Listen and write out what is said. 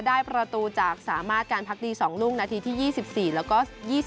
ได้ประตูจากสามารถการพักดี๒ลูกนาทีที่๒๔แล้วก็๒๐